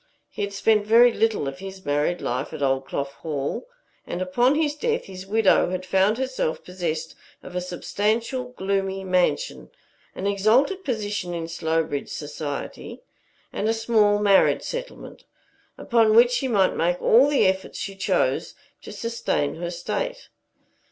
He had spent very little of his married life at Oldclough Hall, and upon his death his widow had found herself possessed of a substantial, gloomy mansion, an exalted position in Slowbridge society, and a small marriage settlement, upon which she might make all the efforts she chose to sustain her state.